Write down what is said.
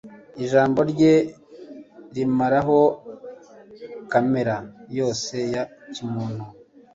Ijambo rye rimaraho kamere yose ya kimuntu,